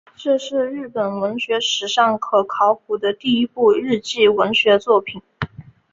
这是日本文学史上可考的第一部日记文学作品。